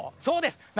そうです